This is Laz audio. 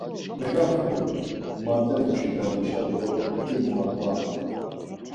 Meǩaxtu marte muşi badişa do ncumu aǩvandu.